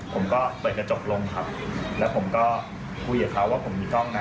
ผมก็เปิดกระจกลงครับแล้วผมก็คุยกับเขาว่าผมมีกล้องนะ